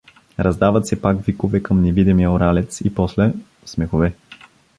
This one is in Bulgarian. Раздават се пак викове към невидимия уралец и после — смехове.